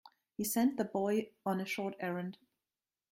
He sent the boy on a short errand.